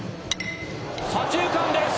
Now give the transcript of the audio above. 左中間です。